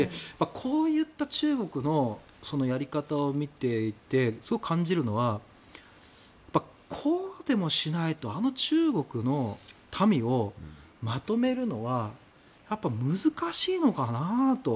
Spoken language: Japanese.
こういった中国のやり方を見ていてすごく感じるのはこうでもしないとあの中国の民をまとめるのは難しいのかなと。